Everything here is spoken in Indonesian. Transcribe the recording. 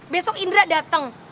besok indra dateng